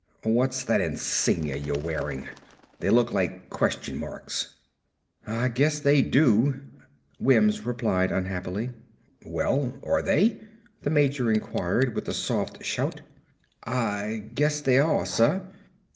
"What's that insignia you're wearing? They look like question marks." "Ah guess they do," Wims replied unhappily. "Well are they?" the major inquired with a soft shout. "Ah guess they are, suh."